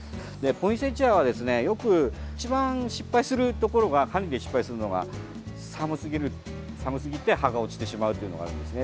ポインセチアはですねよく一番、失敗するところが寒すぎる、寒すぎて葉が落ちてしまうというのがあるんですね。